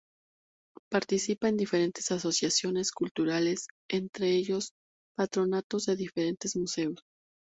Participa en diferentes asociaciones culturales entre ellos patronatos de diferentes museos.